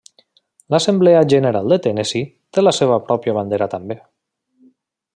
L'Assemblea General de Tennessee té la seva pròpia bandera també.